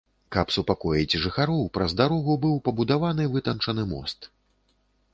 Каб супакоіць жыхароў, праз дарогу быў пабудаваны вытанчаны мост.